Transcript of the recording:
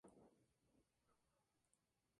Esto es aplicable a cadenas de todos los tamaños.